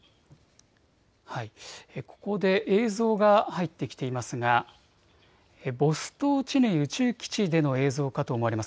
ここで映像が入ってきていますがボストーチヌイ宇宙基地での映像かと思われます。